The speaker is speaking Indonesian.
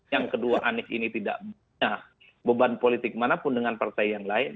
yang kedua anies ini tidak punya beban politik manapun dengan partai yang lain